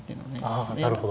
あなるほど。